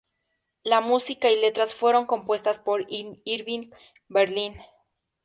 La música y letras fueron compuestas por Irving Berlin.